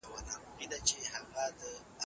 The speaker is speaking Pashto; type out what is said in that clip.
د قرآن کريم کوم آياتونه وضاحت لري؟